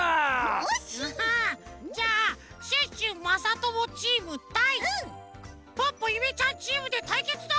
ハハッじゃあシュッシュまさともチームたいポッポゆめちゃんチームでたいけつだ！